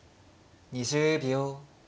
２０秒。